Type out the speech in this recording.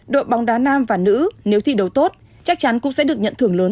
đội bóng đá nam và nữ nếu thi đấu tốt chắc chắn cũng sẽ được nhận thưởng lớn